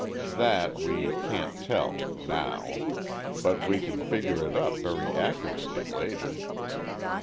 "That we can't tell now. But we can figure it up very accurately later.